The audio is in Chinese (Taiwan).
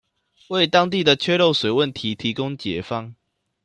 為當地的缺漏水問題提供解方